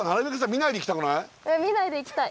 見ないで行きたい。